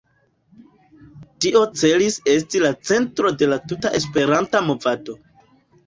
Tio celis esti la centro de la tuta Esperanta movado.